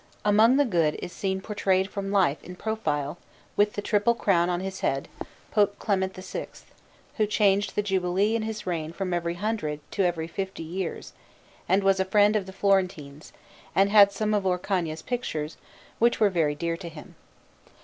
Among the good is seen portrayed from life in profile, with the triple crown on his head, Pope Clement VI, who changed the Jubilee in his reign from every hundred to every fifty years, and was a friend of the Florentines, and had some of Orcagna's pictures, which were very dear to him.